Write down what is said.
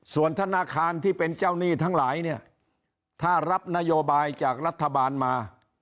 ส่วนธนาคารที่เป็นเจ้าหนี้ทั้งหลายเนี่ยถ้ารับนโยบายจากรัฐบาลมา